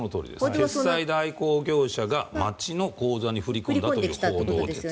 決済代行業者が町の口座に振り込んだという報道です。